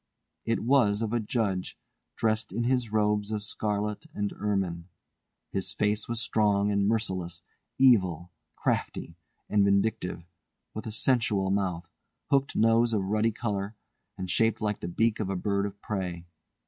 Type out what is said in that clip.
It was of a judge dressed in his robes of scarlet and ermine. His face was strong and merciless, evil, crafty, and vindictive, with a sensual mouth, hooked nose of ruddy colour, and shaped like the beak of a bird of prey.